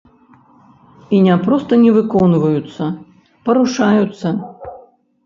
І не проста не выконваюцца, парушаюцца.